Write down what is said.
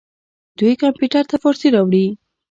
دوی کمپیوټر ته فارسي راوړې.